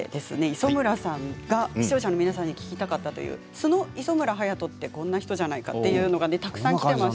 磯村さんが視聴者の皆さんに聞きたかったという素の磯村勇斗はこんな人じゃないかというのがたくさんきています。